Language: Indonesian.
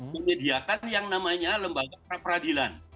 menyediakan yang namanya lembaga pra peradilan